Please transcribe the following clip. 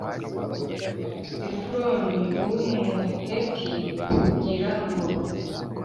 Efuroni w Umuheti kugira ngo